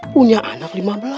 punya anak lima belas